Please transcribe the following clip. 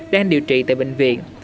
đang điều trị tại bệnh viện